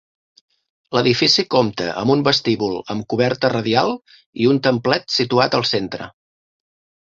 L'edifici compta amb un vestíbul amb coberta radial i un templet situat al centre.